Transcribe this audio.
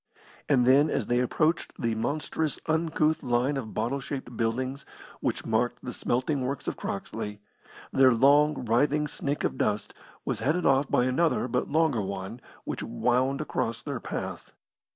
And then, as they approached the monstrous, uncouth line of bottle shaped buildings which marked the smelting works of Croxley, their long, writhing snake of dust was headed off by another but longer one which wound across their path.